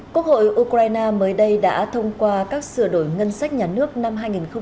quốc hội ukraine mới đây đã thông qua các sửa đổi ngân sách nhà nước năm hai nghìn một mươi tám